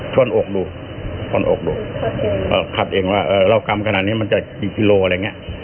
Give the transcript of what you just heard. ชวนอกดูชวนอกดูเอ่อขัดเองว่าเอ่อเรากำขนาดนี้มันจะกี่กิโลอะไรเงี้ย